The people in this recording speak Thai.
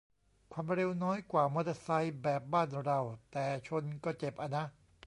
ความเร็วน้อยกว่ามอเตอร์ไซค์แบบบ้านเรา แต่ชนก็เจ็บอะนะ